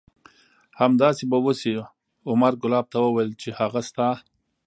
همداسې به وشي. عمر کلاب ته وویل چې هغه ستا